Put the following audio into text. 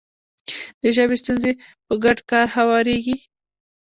د ژبې ستونزې په ګډ کار هواریږي.